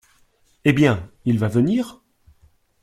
Eh bien, il va venir ?